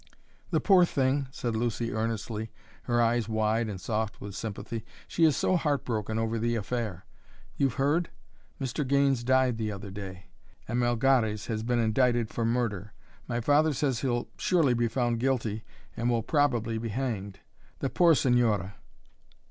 "The poor thing!" said Lucy earnestly, her eyes wide and soft with sympathy. "She is so heartbroken over the affair! You've heard? Mr. Gaines died the other day, and Melgares has been indicted for murder. My father says he'll surely be found guilty and will probably be hanged. The poor señora!"